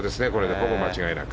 ほぼ間違いなく。